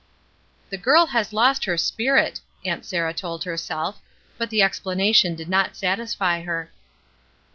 "The girl has lost her spirit," Aunt Sarah told herself, but the explanation did not satisfy her.